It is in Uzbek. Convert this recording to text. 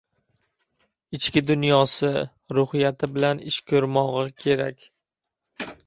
ichki dunyosi, ruhiyati bilan ish ko‘rmog‘i kerak.